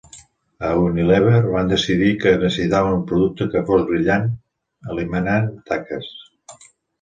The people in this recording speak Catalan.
A Unilever van decidir que necessitaven un producte que fos brillant eliminant taques.